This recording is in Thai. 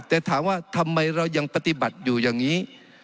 แต่ถามว่าทำไมเรายังปฏิบัติอยู่อย่างนี้